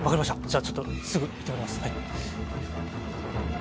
じゃあちょっとすぐ行ってまいりますはい。